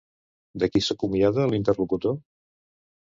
De qui s'acomiada l'interlocutor?